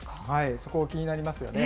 そこ、気になりますよね。